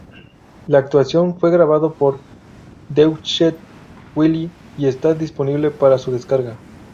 La actuación fue grabada por Deutsche Welle y está disponible para su descarga.